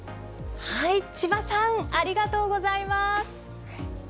千葉さんありがとうございます。